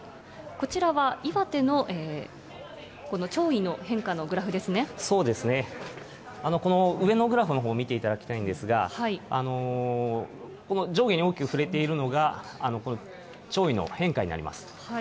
こちらは岩手の潮位の変化のそうですね、この上のグラフのほう見ていただきたいんですが、上下に大きく振れているのが潮位の変化になります。